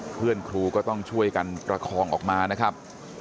เพื่อนครูก็ต้องช่วยกันประคองออกมานะครับ